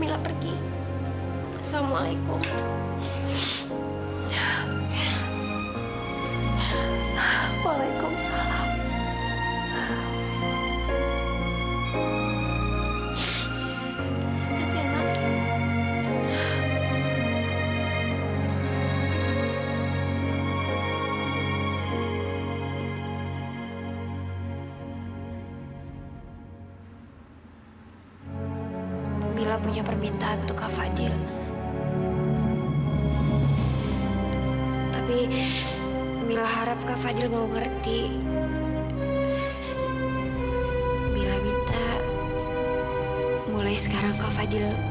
sampai jumpa di video selanjutnya